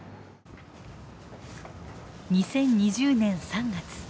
２０２０年３月。